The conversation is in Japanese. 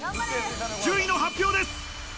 順位の発表です。